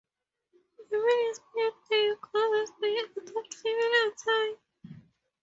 A man inspired by a goddess may adopt female attire.